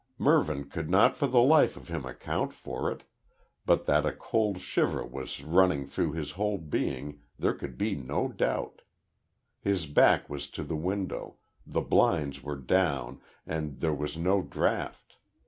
Mervyn could not for the life of him account for it, but that a cold shiver was running through his whole being, there could be no doubt. His back was to the window, the blinds were down and there was no draught.